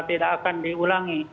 tidak akan diulangi